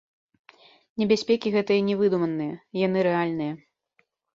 Небяспекі гэтыя не выдуманыя, яны рэальныя.